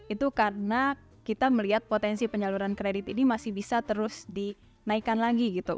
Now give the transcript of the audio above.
itu karena kita melihat potensi penyaluran kredit ini masih bisa terus dinaikkan lagi gitu